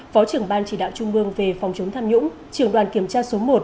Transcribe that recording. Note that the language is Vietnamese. phó trưởng ban chỉ đạo trung ương về phòng chống tham nhũng trưởng đoàn kiểm tra số một